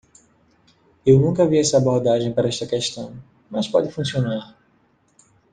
Eu nunca vi essa abordagem para esta questão, mas pode funcionar.